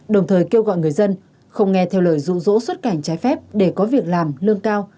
đồng thời kêu gọi người dân không nghe theo lời rụ rỗ xuất cảnh trái phép để có việc làm lương cao